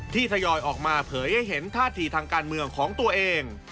ทยอยออกมาเผยให้เห็นท่าทีทางการเมืองของตัวเอง